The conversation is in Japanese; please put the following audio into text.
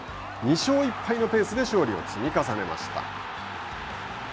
２勝１敗のペースで勝利を積み重ねました。